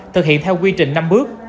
thực hiện theo quy trình năm bước